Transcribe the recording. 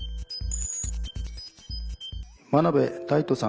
真鍋大度さん